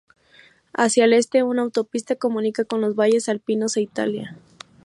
Hacia el este una autopista comunica con los valles alpinos e Italia.